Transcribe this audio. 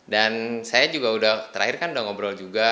dan saya juga udah terakhir kan udah ngobrol juga